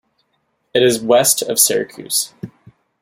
It is west of Syracuse.